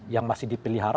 yang masih dipelihara